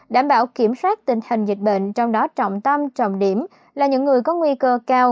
đảm bảo kiểm soát tình hình dịch bệnh trong đó trọng tâm trọng điểm là những người có nguy cơ cao